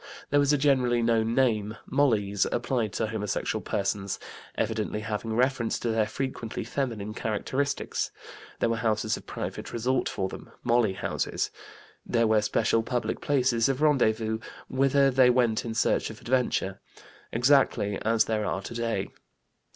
There was a generally known name, "Mollies," applied to homosexual persons, evidently having reference to their frequently feminine characteristics; there were houses of private resort for them ("Molly houses"), there were special public places of rendezvous whither they went in search of adventure, exactly as there are today.